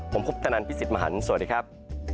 ผมพุทธนันพี่สิทธิ์มหันฯสวัสดีครับ